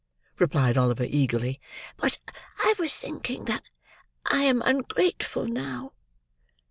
replied Oliver eagerly; "but I was thinking that I am ungrateful now."